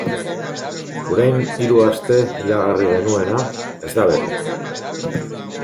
Orain hiru aste iragarri genuena ez da bete.